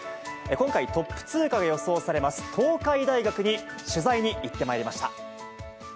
今回、トップ通過が予想されます東海大学に取材に行ってまいりました。